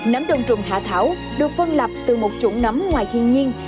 nấm đông trùng hạ thảo được phân lập từ một trụng nấm ngoài thiên nhiên